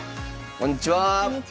こんにちは。